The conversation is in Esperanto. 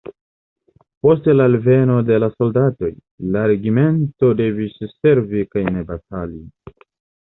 Post la alveno de la soldatoj, la regimento devis servi kaj ne batali.